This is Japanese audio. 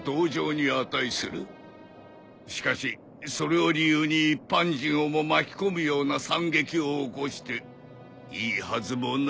しかしそれを理由に一般人をも巻き込むような惨劇を起こしていいはずもない。